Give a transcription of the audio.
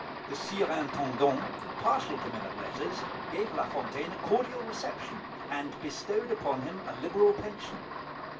The Surintendant, partial to men of letters, gave La Fontaine a cordial reception, and bestowed upon him a liberal pension.